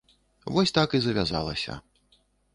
Вось так і завязалася.